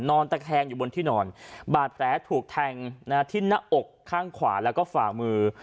ตะแคงอยู่บนที่นอนบาดแผลถูกแทงที่หน้าอกข้างขวาแล้วก็ฝ่ามือ